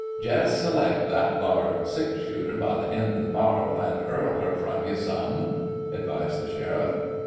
"Jest select that thar six shooter by the end of the bar'l and hurl her from you some," advised the sheriff.